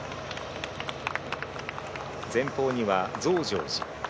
前方には増上寺。